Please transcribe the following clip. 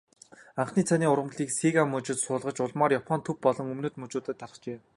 Анхны цайны ургамлыг Сига мужид суулгаж, улмаар Японы төв болон өмнөд мужуудад тархжээ.